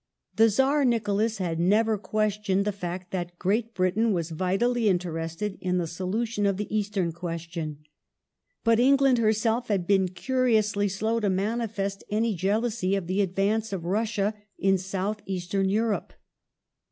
The Czar Nicholas had never questioned the fact that Great England Britain was vitally interested in the solution of the Eastern ^"^^"^" questioa But England herself had been curiously slow to manifest any jealousy of the advance of Russia in South Eastern Europe.